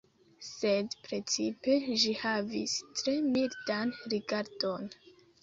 Sed precipe, ĝi havis tre mildan rigardon.